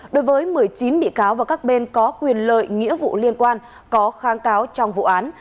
đối với một mươi chín bị cáo và các bên có quyền lợi nghĩa vụ liên quan có kháng cáo trong vụ án